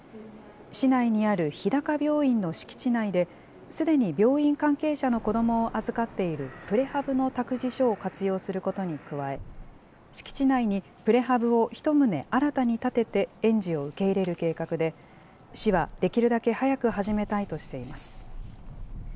市内にある日高病院の敷地内で、すでに病院関係者の子どもを預かっているプレハブの託児所を活用することに加え、敷地内にプレハブを１棟、新たに建てて、園児を受け入れる計画で、市はできるだけ早く始めたいとしています。